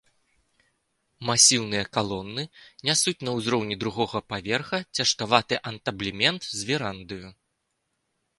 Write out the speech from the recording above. Масіўныя калоны нясуць на ўзроўні другога паверха цяжкаваты антаблемент з верандаю.